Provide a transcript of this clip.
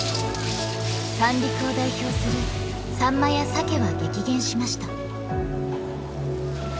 三陸を代表するサンマやサケは激減しました。